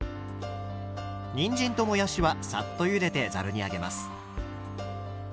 にんじんともやしはサッとゆでてざるに上げます。